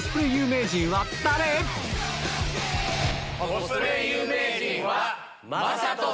コスプレ有名人は。